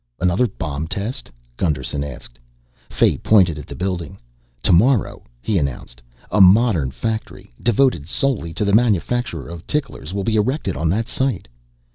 "Another bomb test?" Gusterson asked. Fay pointed at the building. "Tomorrow," he announced, "a modern factory, devoted solely to the manufacture of ticklers, will be erected on that site."